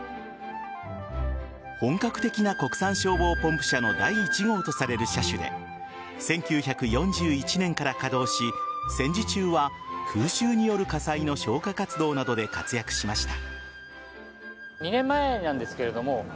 本格的な国産消防ポンプ車の第１号とされる車種で１９４１年から稼働し戦時中は空襲による火災の消火活動などで活躍しました。